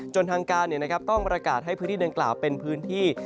จนทางการเนี่ยนะครับต้องประกาศให้พื้นที่เดินกล่าวเป็นพื้นที่